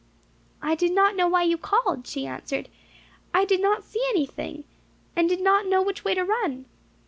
"I did not know why you called," she answered. "I did not see anything, and did not know which way to run."